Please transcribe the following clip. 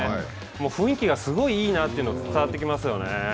雰囲気がすごいいいなというのが伝わってきますよね。